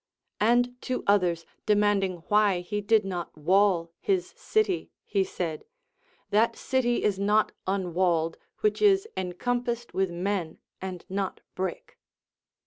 And to others demanding why he did not wall his city he said. That city is not unwalled Avhich is encompassed with men and not brick.